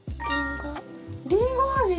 りんご味？